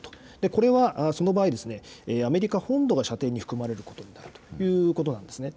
これは、その場合ですね、アメリカ本土が射程に含まれることになるということなんですね。